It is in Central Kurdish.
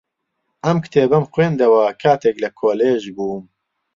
ئەم کتێبەم خوێندەوە کاتێک لە کۆلێژ بووم.